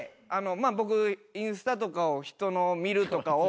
まあ僕インスタとかを人のを見るとかを。